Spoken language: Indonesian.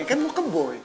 kan mau ke boy